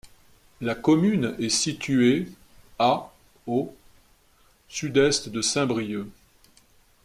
La commune est située à au sud-est de Saint-Brieuc.